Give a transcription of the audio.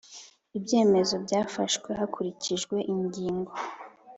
Ibyemezo byafashwe hakurikijwe ingingo